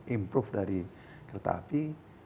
improve dari kereta api